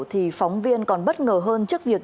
thì phóng viên còn bất ngờ hơn trước việc